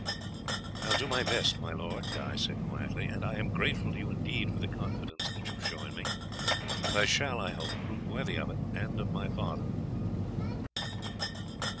"I will do my best, my lord," Guy said quietly; "and I am grateful to you indeed for the confidence that you show in me, and I shall, I hope, prove worthy of it, and of my father."